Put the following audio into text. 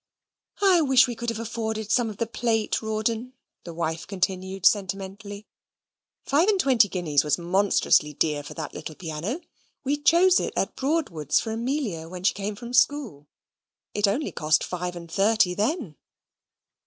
"I wish we could have afforded some of the plate, Rawdon," the wife continued sentimentally. "Five and twenty guineas was monstrously dear for that little piano. We chose it at Broadwood's for Amelia, when she came from school. It only cost five and thirty then."